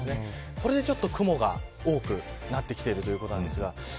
これで雲が多くなってきているということなんですが。